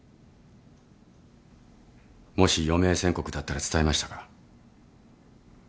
もし余命宣告だったら伝えましたか？